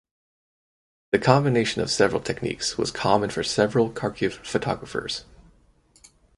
The combination of several techniques was common for several Kharkiv photographers.